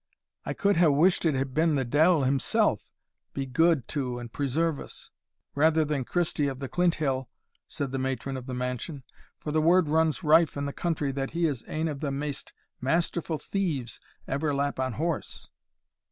"I could hae wished it had been the deil himself be good to and preserve us! rather than Christie o' the Clint hill," said the matron of the mansion, "for the word runs rife in the country, that he is ane of the maist masterfu' thieves ever lap on horse."